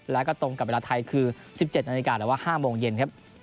แล้วก็ตรงกับเวลาไทยคือ๑๗อันตรีการหรือว่า๕โมงเย็น